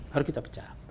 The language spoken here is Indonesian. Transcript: harus kita pecah